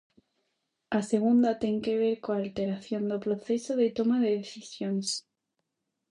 A segunda ten que ver coa alteración do proceso de toma de decisións.